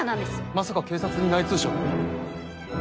まさか警察に内通者が？